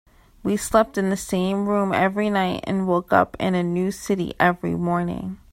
We slept in the same room every night and woke up in a new city every morning.